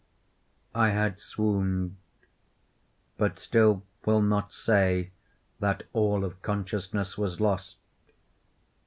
I had swooned; but still will not say that all of consciousness was lost.